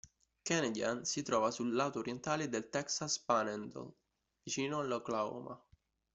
Canadian si trova sul lato orientale del Texas Panhandle vicino all'Oklahoma.